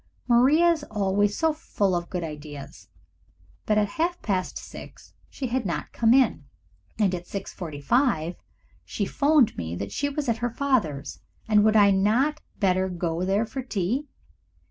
Maria is always so full of good ideas, but at half past six she had not come in, and at six forty five she 'phoned me that she was at her father's and would I not better go there for tea.